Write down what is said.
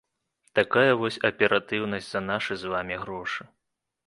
Такая вось аператыўнасць за нашы з вамі грошы.